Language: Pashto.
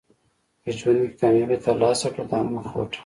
په ژوند کې کامیابي ترلاسه کړه دا موخه وټاکه.